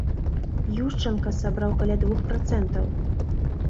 Юшчанка сабраў каля двух працэнтаў.